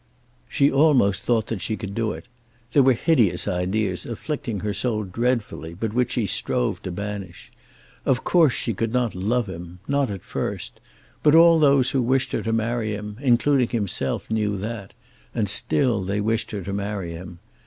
She almost thought that she could do it. There were hideous ideas afflicting her soul dreadfully, but which she strove to banish. Of course she could not love him, not at first. But all those who wished her to marry him, including himself, knew that; and still they wished her to marry him.